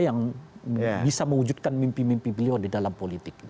banyak sekali anggota yang bisa mewujudkan mimpi mimpi beliau di dalam politik